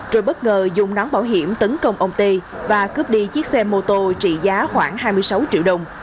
rồi bất ngờ dùng nón bảo hiểm tấn công ông tê và cướp đi chiếc xe mô tô trị giá khoảng hai mươi sáu triệu đồng